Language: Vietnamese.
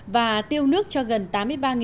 và tiêu nước cho gần